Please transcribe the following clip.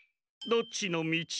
どっちのみち？